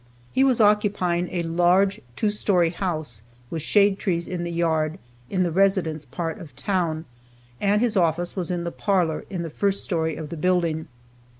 He was occupying a large two story house, with shade trees in the yard, in the residence part of town, and his office was in the parlor, in the first story of the building.